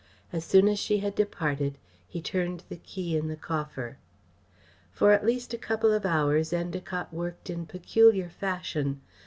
As soon as she had departed, he turned the key in the coffer. For at least a couple of hours Endacott worked in peculiar fashion.